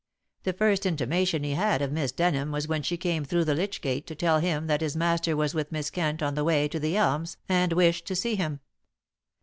The first intimation he had of Miss Denham was when she came through the lych gate to tell him that his master was with Miss Kent on the way to The Elms and wished to see him.